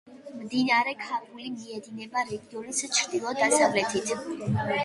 მდინარე ქაბული მიედინება რეგიონის ჩრდილო–დასავლეთით.